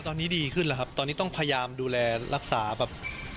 ตอนนี้ดีขึ้นแล้วครับตอนนี้ต้องพยายามดูแลรักษาแบบ